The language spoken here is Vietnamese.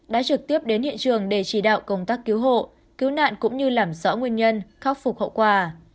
đã trực tiếp đến hiện trường để chỉ đạo công tác cứu hộ cứu nạn cũng như làm rõ nguyên nhân khắc phục hậu quả